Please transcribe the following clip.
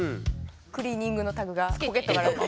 クリーニングのタグがポケットから。